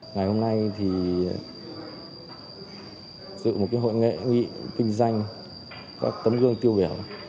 ngày hôm nay thì dự một hội nghị nghị kinh doanh các tấm gương tiêu biểu